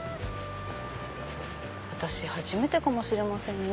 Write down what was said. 私初めてかもしれませんね。